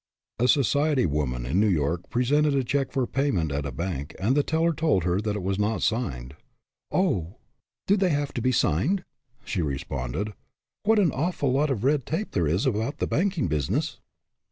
A society woman in "New York presented a check for payment at a bank, and the teller told her that it was not signed. " Oh, do they have to be signed ?" she responded. " What an awful lot of red tape there is about the banking business."